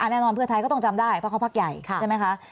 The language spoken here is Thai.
แน่นอนเพื่อไทยก็ต้องจำได้เพราะเขาพักใหญ่ใช่ไหมคะ